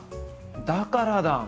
だからだ。